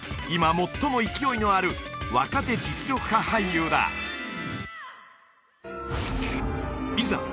今最も勢いのある若手実力派俳優だいざ